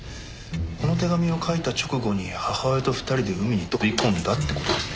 この手紙を書いた直後に母親と２人で海に飛び込んだって事ですね。